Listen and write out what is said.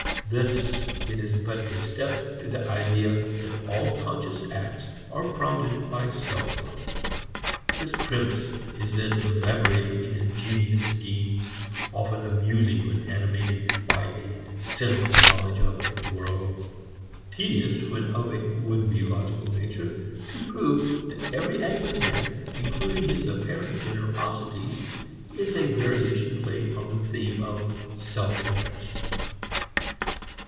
Thence it is but a step to the idea that all conscious acts are prompted by self love. This premiss is then elaborated in ingenious schemes, often amusing when animated by a cynical knowledge of the "world," tedious when of a would be logical nature, to prove that every act of man including his apparent generosities is a variation played on the theme of self interest.